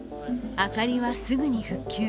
明かりはすぐに復旧。